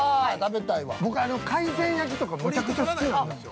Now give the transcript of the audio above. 僕、海鮮焼きとかむちゃくちゃ好きなんですよ。